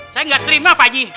saya gak terima pak haji